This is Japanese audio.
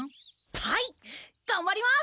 はいがんばります！